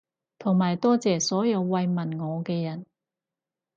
同埋多謝所有慰問我嘅人